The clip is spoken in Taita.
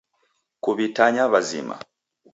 Kuw'itanya w'azima.